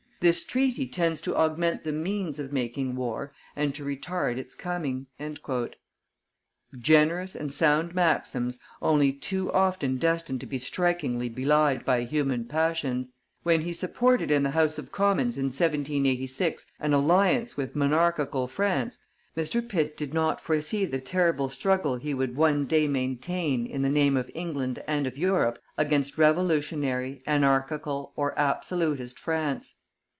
This treaty tends to augment the means of making war and to retard its coming." Generous and sound maxims, only too often destined to be strikingly belied by human passions! When he supported in the House of Commons, in 1786, an alliance with monarchical France, Mr. Pitt did not foresee the terrible struggle he would one day maintain, in the name of England and of Europe, against revolutionary, anarchical, or absolutist France.